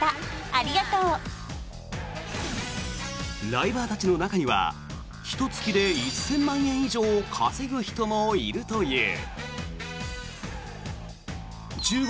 ライバーたちの中にはひと月で１０００万円以上稼ぐ人もいるという。